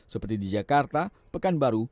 seperti di jakarta pekanbaru